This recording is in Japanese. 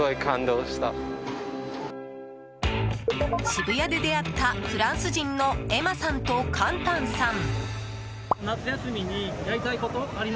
渋谷で出会ったフランス人のエマさんとカンタンさん。